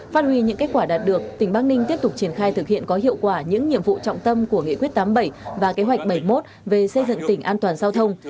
phát huy những kết quả đạt được tỉnh bắc ninh tiếp tục triển khai thực hiện có hiệu quả những nhiệm vụ trọng tâm của nghị quyết tám mươi bảy và kế hoạch bảy mươi một về xây dựng tỉnh an toàn giao thông